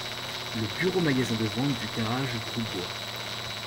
Le bureau-magasin de vente du garage Grosbois.